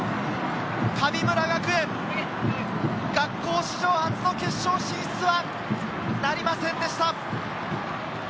神村学園、学校史上初の決勝進出はなりませんでした。